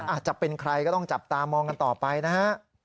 อาจจะเป็นใครก็ต้องจับตามองกันต่อไปนะฮะ